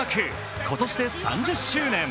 今年で３０周年。